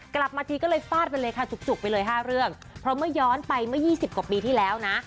กลับมาทีก็เลยฟาดไปเลยค่ะจุกจุกไปเลยห้าเรื่องเพราะเมื่อย้อนไปเมื่อ๒๐กว่าปีที่แล้วนะ